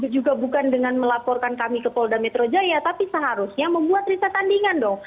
juga bukan dengan melaporkan kami ke polda metro jaya tapi seharusnya membuat riset tandingan dong